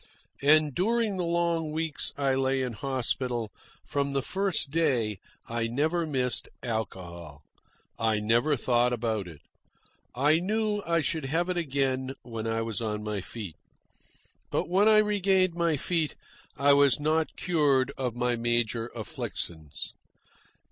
And during the long weeks I lay in hospital, from the first day I never missed alcohol. I never thought about it. I knew I should have it again when I was on my feet. But when I regained my feet I was not cured of my major afflictions.